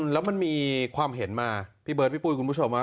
แล้วมันมีความเห็นมาพี่เบิร์ดพี่ปุ้ยคุณผู้ชมว่า